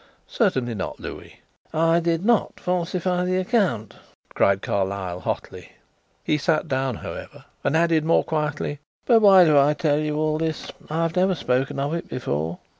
Certainly not, Louis." "I did not falsify the account," cried Carlyle hotly. He sat down however, and added more quietly: "But why do I tell you all this? I have never spoken of it before."